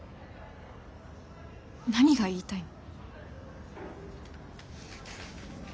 何が言いたいの？